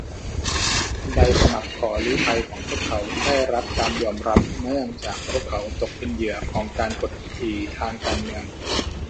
ใบสมัครขอลี้ภัยของพวกเขาได้รับการยอมรับเนื่องจากพวกเขาตกเป็นเหยื่อของการกดขี่ทางการเมือง